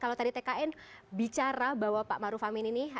kalau tadi tkn bicara bahwa pak maruf amin ini